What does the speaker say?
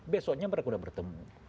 besoknya mereka sudah bertemu